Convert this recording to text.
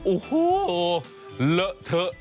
โอ้ห์เหลอะเธ๊ะ